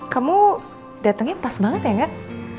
kamu datengnya pas banget ya nget